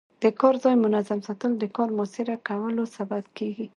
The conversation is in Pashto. د کار ځای منظم ساتل د کار موثره کولو سبب کېږي.